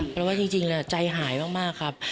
เพราะว่าจริงใจหายมากครับ